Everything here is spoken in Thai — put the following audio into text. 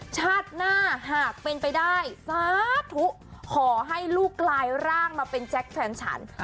ชาติหน้าหากเป็นไปได้สาธุขอให้ลูกกลายร่างมาเป็นแจ็คแฟนฉัน